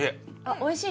おいしい。